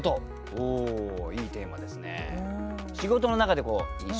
おおいいテーマですね。